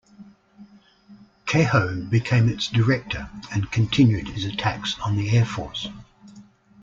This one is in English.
Keyhoe became its director and continued his attacks on the Air Force.